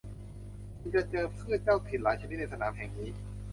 คุณจะเจอพืชเจ้าถิ่นหลายชนิดในสนามแห่งนี้